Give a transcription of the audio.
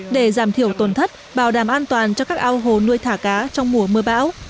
để giảm thiểu tồn thất bảo đảm an toàn cho các ao hồ nuôi thả cá trong mùa mưa bão